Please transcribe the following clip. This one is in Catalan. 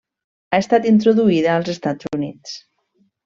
Ha estat introduïda als Estats Units.